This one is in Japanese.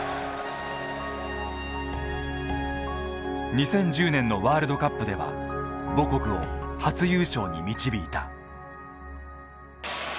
２０１０年のワールドカップでは母国を初優勝に導いた。